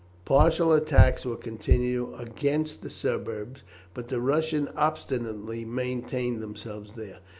Partial attacks were continued against the suburbs, but the Russians obstinately maintained themselves there.